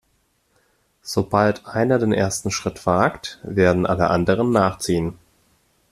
Sobald einer den ersten Schritt wagt, werden alle anderen nachziehen.